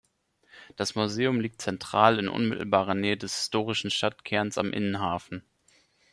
Das Museum liegt zentral in unmittelbarer Nähe des historischen Stadtkerns am Innenhafen.